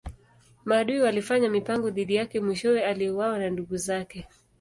Maadui walifanya mipango dhidi yake mwishowe aliuawa na ndugu zake.